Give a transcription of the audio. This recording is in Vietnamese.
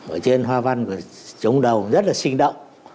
ở trên hoa văn của trống đầu rất là sinh động